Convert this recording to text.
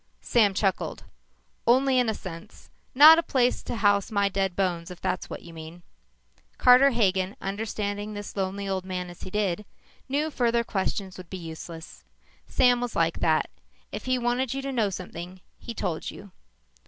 Sam chuckled. "Only in a sense. Not a place to house my dead bones if that's what you mean." Carter Hagen, understanding this lonely old man as he did, knew further questions would be useless. Sam was like that. If he wanted you to know something, he told you.